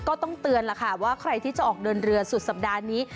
ก็ต้องเตือนล่ะค่ะว่าใครที่จะออกเดินเรือสุดสัปดาห์นี้